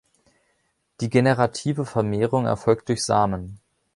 Die generative Vermehrung erfolgt durch Samen.